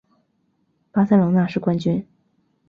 巴塞隆拿是冠军。